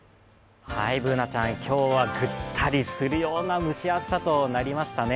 Ｂｏｏｎａちゃん、今日はぐったりするような蒸し暑さとなりましたね。